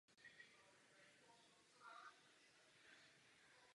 Jeho mladším bratrem je fotbalista Vojtech Horváth.